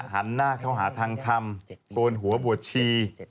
หันหน้าเข้าหาทางทำโกนหัวบวชชี